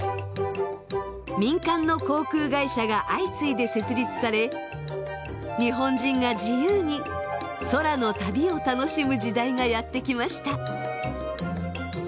民間の航空会社が相次いで設立され日本人が自由に空の旅を楽しむ時代がやって来ました。